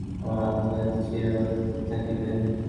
রামানুজ বলেন, তোমার আত্মা আমার আত্মা হইতে চিরকাল পৃথক থাকিবে।